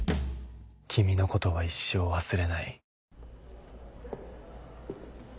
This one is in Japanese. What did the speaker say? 君のことは一生忘れない